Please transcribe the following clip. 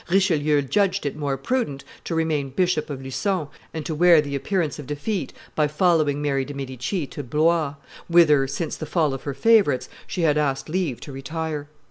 Richelieu judged it more prudent to remain Bishop of Lucon and to wear the appearance of defeat by following Mary de' Medici to Blois, whither, since the fall of her favorites, she had asked leave to retire.